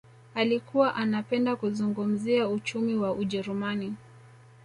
Alikuwa anapenda kuzungumzia uchumi wa ujerumani